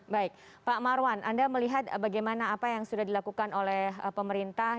baik pak marwan anda melihat bagaimana apa yang sudah dilakukan oleh pemerintah